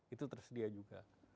itu tersedia juga